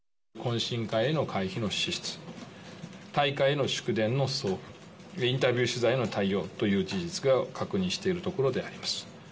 懇親会への会費の支出、大会への祝電の送付、インタビュー取材の対応という事実が確認しているところでありま